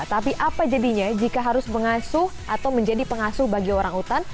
tapi apa jadinya jika harus mengasuh atau menjadi pengasuh bagi orang utan